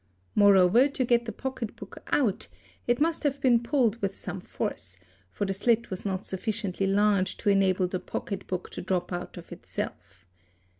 Moreover to get the pocket book out, it must have been pulled with some force, for the slit was not sufficiently large to enable the pocket book to drop out of itself.